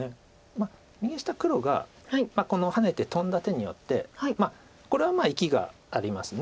まあ右下黒がハネてトンだ手によってこれは生きがあります。